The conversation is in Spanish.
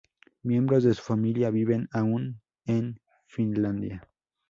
Miembros de su familia viven aún en Finlandia.